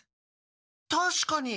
たしかに！